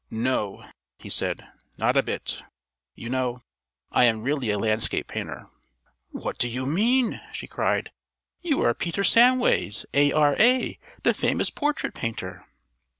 "No," he said. "Not a bit. You know, I am really a landscape painter." "What do you mean?" she cried. "You are Peter Samways, A.R.A., the famous portrait painter!"